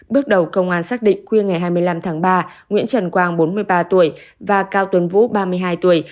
bước đầu công an xác định khuya ngày hai mươi năm tháng ba nguyễn trần quang bốn mươi ba tuổi và cao tuấn vũ ba mươi hai tuổi